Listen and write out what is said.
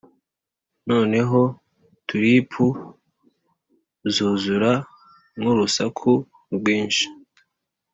noneho tulipu zuzura nk'urusaku rwinshi.